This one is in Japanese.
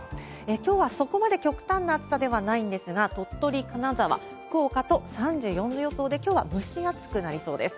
きょうはそこまで極端な暑さではないんですが、鳥取、金沢、福岡と、３４度予想で、きょうは蒸し暑くなりそうです。